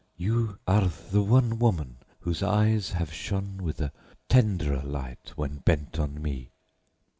You are the one woman whose eyes have shone with a tenderer light when bent on me.